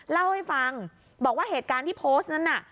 เล่าให้ฟังบอกว่าเหตุการณ์ที่โพสต์นั้นน่ะ